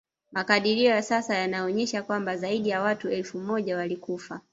Makadirio ya sasa yanaonyesha kwamba zaidi ya watu elfu moja walikufa